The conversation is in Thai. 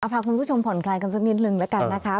พาคุณผู้ชมผ่อนคลายกันสักนิดนึงแล้วกันนะคะ